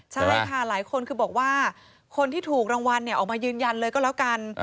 ใช่ค่ะหลายคนคือบอกว่าคนที่ถูกรางวัลออกมายืนยันเลยก็แล้วกัน